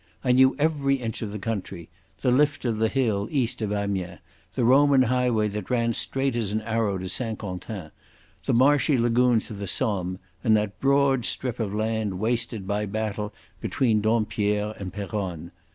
I knew every inch of the country—the lift of the hill east of Amiens, the Roman highway that ran straight as an arrow to St Quentin, the marshy lagoons of the Somme, and that broad strip of land wasted by battle between Dompierre and Peronne.